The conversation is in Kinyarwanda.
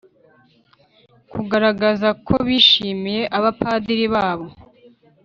kugaragaza ko bishimiye abapadiri babo